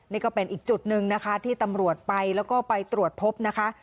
นี่ก็เป็นอีกจุดหนึ่งนะคะที่ตำรวจไปแล้วก็ไปตรวจพบนะคะ